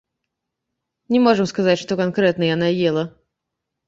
Не можам сказаць, што канкрэтна яна ела.